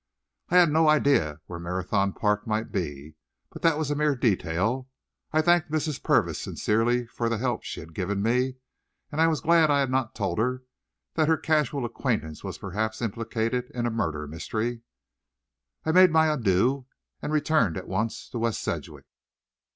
I had no idea where Marathon Park might be, but that was a mere detail. I thanked Mrs. Purvis sincerely for the help she had given me, and I was glad I had not told her that her casual acquaintance was perhaps implicated in a murder mystery. I made my adieux and returned at once to West Sedgwick.